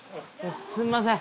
すみません。